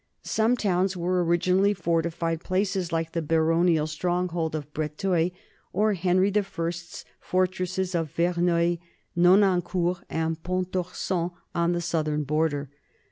Some towns were originally fortified places, like the baronial stronghold of Breteuil or Henry I's fortresses of Verneuil, Nonancourt, and Pontorson on the southern border.